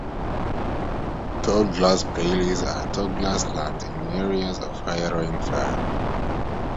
Tallgrass prairies are tall grasslands in areas of higher rainfall.